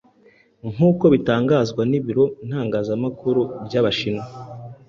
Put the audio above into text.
nkuko bitangazwa n’Ibiro ntamakuru by’Abashinwa